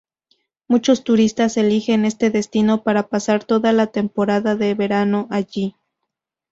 Muchos turistas eligen este destino para pasar toda la temporada de verano allí.